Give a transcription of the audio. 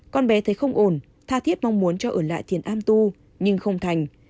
con bé thấy không ổn tha thiết mong muốn cho ở lại thiền am tu nhưng không thành